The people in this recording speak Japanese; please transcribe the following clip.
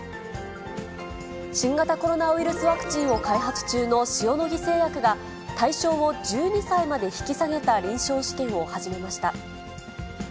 新型コロナウイルスワクチンを開発中の塩野義製薬が、対象を１２歳まで引き下げた臨床試験を始めました。